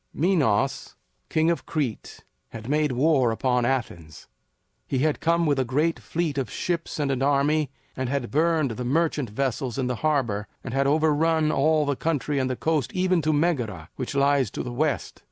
Minos, king of Crete, had made war upon Athens. He had come with a great fleet of ships and an army, and had burned the merchant vessels in the harbor, and had overrun all the country and the coast even to Megara, which lies to the west.